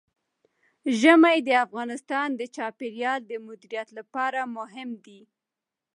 ژمی د افغانستان د چاپیریال د مدیریت لپاره مهم دي.